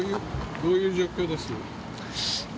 どういう状況です？